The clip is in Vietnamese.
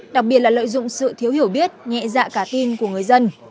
đặc biệt là lợi dụng sự thiếu hiểu biết nhẹ dạ cả tin của người dân